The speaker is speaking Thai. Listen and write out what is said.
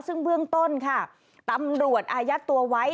ซึ่งเบื้องต้นค่ะตำรวจอายัดตัวไว้